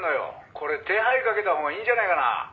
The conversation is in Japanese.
「これ手配かけたほうがいいんじゃないかな？」